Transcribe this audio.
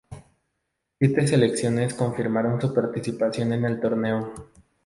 Siete selecciones confirmaron su participación en el torneo.